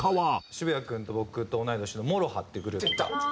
渋谷君と僕と同い年のＭＯＲＯＨＡっていうグループ。